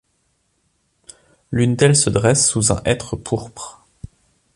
L'une d'elles se dresse sous un hêtre pourpre.